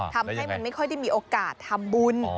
ทำให้มันไม่ค่อยได้มีโอกาสทำบุญ